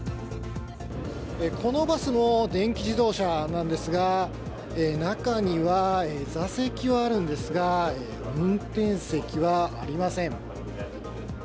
このバスの電気自動車なんですが、中には座席はあるんですが、運転席はありません。